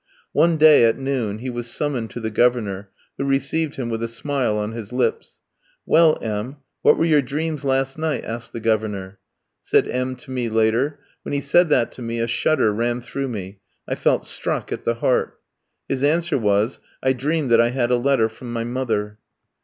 One day, at noon, he was summoned to the Governor, who received him with a smile on his lips. "Well, M tski, what were your dreams last night?" asked the Governor. Said M tski to me later, "When he said that to me a shudder ran through me; I felt struck at the heart." His answer was, "I dreamed that I had a letter from my mother."